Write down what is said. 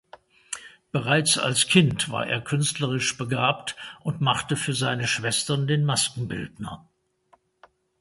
Bereits als Kind war er künstlerisch begabt und machte für seine Schwestern den Maskenbildner.